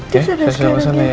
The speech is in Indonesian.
kita udah sekian lagi